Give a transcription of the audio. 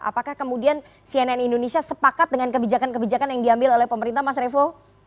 apakah kemudian cnn indonesia sepakat dengan kebijakan kebijakan yang diambil oleh pemerintah mas revo